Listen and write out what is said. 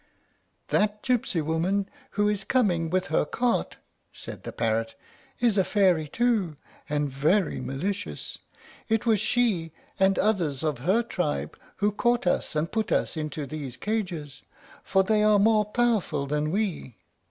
_ "That gypsy woman who is coming with her cart," said the parrot, "is a fairy too, and very malicious. It was she and others of her tribe who caught us and put us into these cages, for they are more powerful than we.